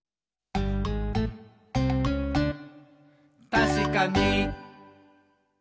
「たしかに！」